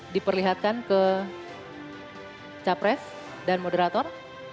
diperlihatkan ke capres dan moderator